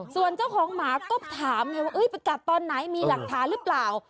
ส่วนเจ้าของหมาก็ถามไงว่าไปกัดตอนไหนมีหลักฐานหรือเปล่า